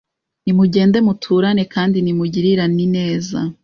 Nimugende muturane Kandi nimugirirana ineza